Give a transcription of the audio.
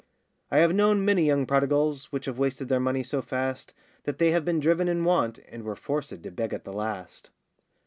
I have known many young prodigals, Which have wasted their money so fast, That they have been driven in want, And were forcèd to beg at the last.